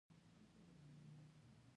په سمینټو کې به یې ونیسو.